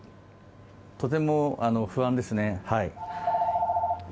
とても不安ですね。